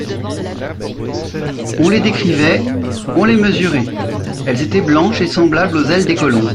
On les décrivait, on les mesurait ; elles étaient blanches et semblables aux ailes des colombes.